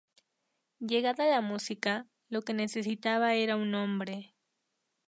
Llegada la música, lo que necesitaba era un nombre.